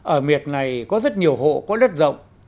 ở miệt này có rất nhiều hộ có đất rộng